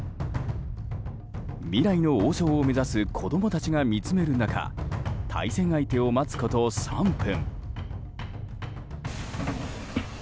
未来の王将を目指す子供たちが見つめる中対戦相手を待つこと３分。